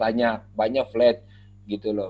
banyak banyak flat gitu loh